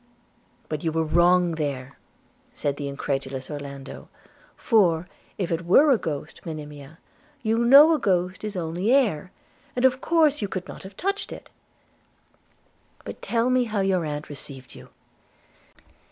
'But you were wrong there,' said the incredulous Orlando; 'for, if it were a ghost, Monimia, you know a ghost is only air, and of course you could not have touched it. – But tell me how your aunt received you.'